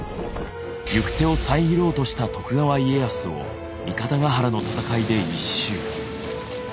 行く手を遮ろうとした徳川家康を三方ヶ原の戦いで一蹴。